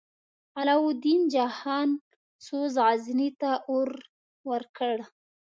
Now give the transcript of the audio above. علاوالدین جهان سوز، غزني ته اور ورکړ.